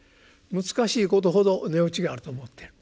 難しいことほど値打ちがあると思っている。